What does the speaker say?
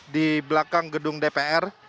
di belakang gedung dpr